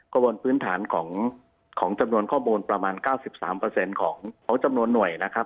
กระบวนพื้นฐานของจำนวนข้อมูลประมาณ๙๓ของจำนวนหน่วยนะครับ